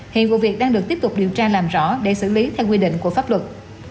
hiện vụ việc đang được tiếp tục điều tra làm rõ để xử lý theo quy định của pháp luật